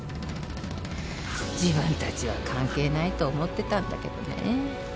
自分たちは関係ないと思ってたんだけどね。